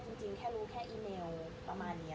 จริงแค่รู้แค่อีเมลประมาณนี้